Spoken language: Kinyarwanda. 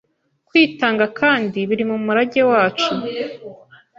kwitanga kandi biri mu murage wacu